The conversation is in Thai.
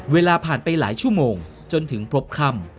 เวลาผ่านไปหลายชั่วโมงจนถึงพบค่ำ